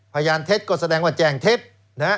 พยานเท็จก็แสดงว่าแจ้งเท็จนะฮะ